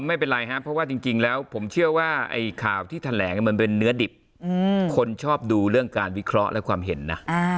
ไม่เป็นไรครับเพราะว่าจริงแล้วผมเชื่อว่าไอ้ข่าวที่แถลงมันเป็นเนื้อดิบคนชอบดูเรื่องการวิเคราะห์และความเห็นนะ